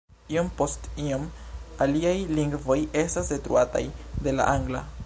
Iom post iom aliaj lingvoj estas detruataj de la angla.